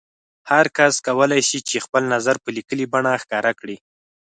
هر کس کولای شي چې خپل نظر په لیکلي بڼه ښکاره کړي.